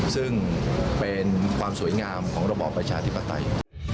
ซึ่งเป็นความสวยงามของระบอบประชาธิปไตย